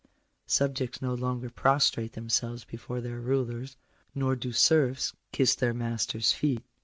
Subjects no longer prostrate themselves before their rulers, nor do serfs kiss their masters feet.